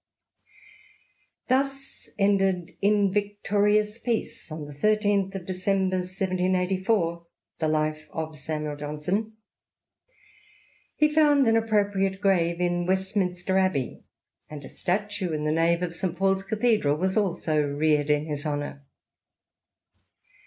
Thus ended in victorious peace, on the 13th of December 1784, the life of Samuel Johnson. He found an appro* priate grave in Westminster Abbey, and a statue in the nave of St Paul's Cathedral was also reared in his honour.